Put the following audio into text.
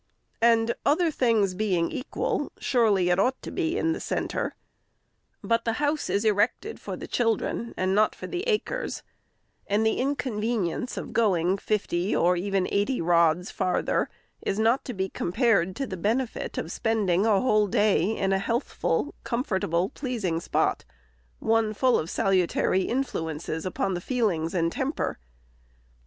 And, other things being equal, surely it ought to be in the centre. But the house is erected for the children, and not for the acres ; and VOL. I. 80 466 REPORT OF THE SECRETARY the inconvenience of going fifty or even eighty rods farther is not to be compared to the benefit of spending a whole day in a healthful, comfortable, pleasing spot, — one full of salutary influences upon the feelings and temper.